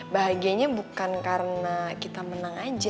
bahagianya bukan karena kita menang aja